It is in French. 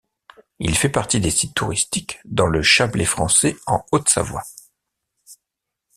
Il fait partie des sites touristiques dans le Chablais français en Haute-Savoie.